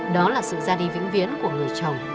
đó là sự ra đi vĩnh viễn của người chồng